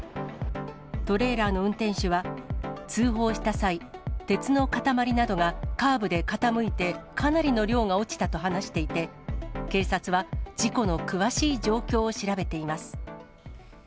トレーラーの運転手は、通報した際、鉄の塊などがカーブで傾いて、かなりの量が落ちたと話していて、警察は事故の詳しい状況を調べています。